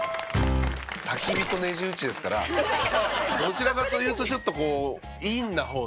焚き火とネジ打ちですからどちらかというとちょっとこう陰な方のね